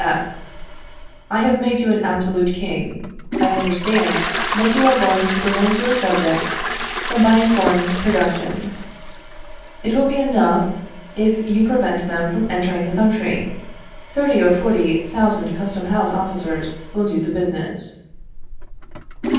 F. I have made you an absolute king. I understand that you are going to prevent your subjects from buying foreign productions. It will be enough if you prevent them from entering the country. Thirty or forty thousand custom house officers will do the business.